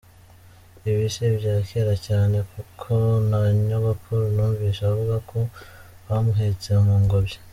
Ibi si ibyakera cyane kuko na nyogokuru numvise avuga ko bamuhetse mu ngobyi.